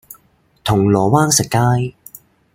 銅鑼灣食街